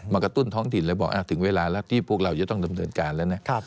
กระตุ้นท้องถิ่นเลยบอกถึงเวลาแล้วที่พวกเราจะต้องดำเนินการแล้วนะ